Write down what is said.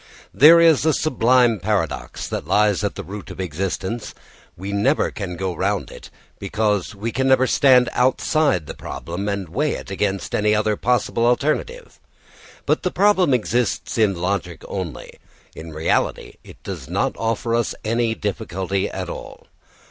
There is a sublime paradox that lies at the root of existence. We never can go round it, because we never can stand outside the problem and weigh it against any other possible alternative. But the problem exists in logic only; in reality it does not offer us any difficulty at all.